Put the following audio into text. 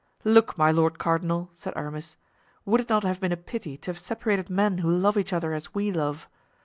"Look, my lord cardinal," said Aramis, "would it not have been a pity to have separated men who love each other as we love?